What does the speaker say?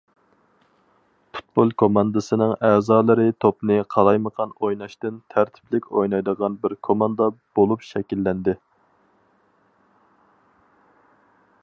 پۇتبول كوماندىسىنىڭ ئەزالىرى توپنى قالايمىقان ئويناشتىن تەرتىپلىك ئوينايدىغان بىر كوماندا بولۇپ شەكىللەندى.